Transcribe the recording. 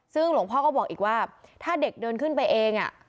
ซึ่งหลวงพ่อก็บอกอีกว่าถ้าเด็กเดินขึ้นไปเอง